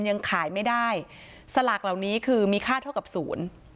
ยังขายไม่ได้สลากเหล่านี้คือมีค่าเท่ากับศูนย์